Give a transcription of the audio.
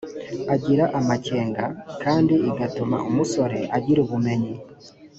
agira amakenga m kandi igatuma umusore agira ubumenyi